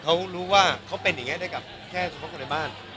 ต้องรู้ว่าเค้าเป็นอย่างงี้ได้กับแค่คนในบ้าน